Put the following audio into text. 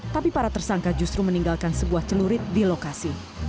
tapi para tersangka justru meninggalkan sebuah celurit di lokasi